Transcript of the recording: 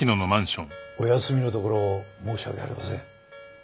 お休みのところ申し訳ありません。